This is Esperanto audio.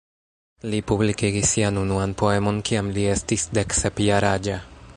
Li publikigis sian unuan poemon kiam li estis deksep jaraĝa.